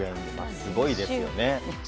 すごいですよね。